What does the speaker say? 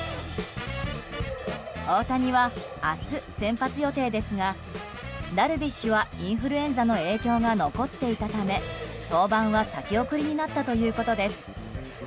大谷は明日、先発予定ですがダルビッシュはインフルエンザの影響が残っていたため登板は先送りになったということです。